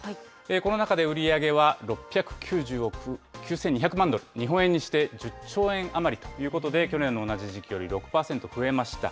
この中で売り上げは６９０億９２００万ドル、日本円にして１０兆円余りということで、去年の同じ時期より６％増えました。